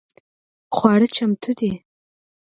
خواړه چمتو دي؟